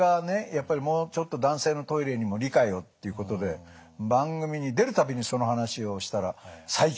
やっぱりもうちょっと男性のトイレにも理解をということで番組に出る度にその話をしたら最近増えてきましたよね。